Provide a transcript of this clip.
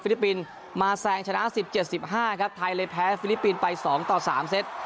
ฟิลิปปินส์มาแสงชนะสิบเจ็ดสิบห้าครับไทยเลยแพ้ฟิลิปปินส์ไปสองต่อสามเซ็ต